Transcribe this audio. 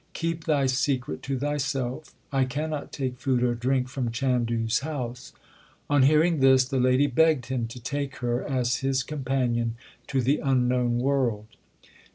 Keep thy secret to thyself. I cannot take food or drink from Chandu s house/ On hearing this, the lady begged him to take her as his companion to the unknown world.